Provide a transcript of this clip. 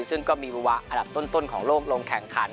ซึ่งก็มีวาอันดับต้นของโลกลงแข่งขัน